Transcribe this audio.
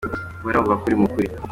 Guhora wumva ko uri mu kuri.